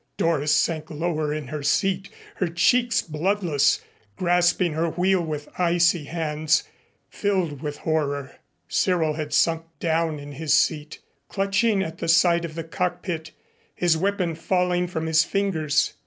Doris sank lower in her seat, her cheeks bloodless, grasping her wheel with icy hands, filled with horror. Cyril had sunk down in his seat, clutching at the side of the cockpit, his weapon falling from his fingers.